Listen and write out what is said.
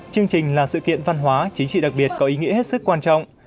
chương trình là sự kiện văn hóa chính trị đặc biệt có ý nghĩa hết sức quan trọng